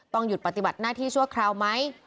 หยุดปฏิบัติหน้าที่ชั่วคราวไหม